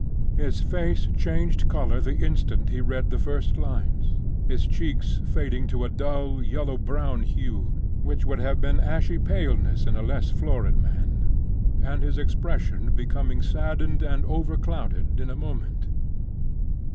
His face changed color the instant he read the first lines; his cheeks fading to a dull, yellow brown hue, which would have been ashy paleness in a less florid man; and his expression becoming saddened and overclouded in a moment.